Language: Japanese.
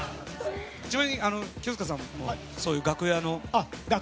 ちなみに清塚さんはそういう楽屋の。